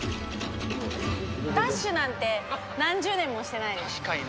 ダッシュなんて、何十年もし確かにな。